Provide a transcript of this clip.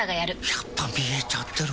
やっぱ見えちゃてる？